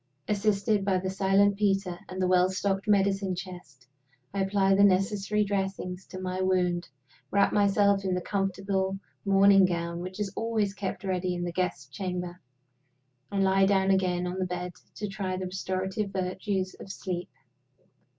Assisted by the silent Peter and the well stocked medicine chest, I apply the necessary dressings to my wound, wrap myself in the comfortable morning gown which is always kept ready in the Guests' Chamber, and lie down again on the bed to try the restorative virtues of sleep.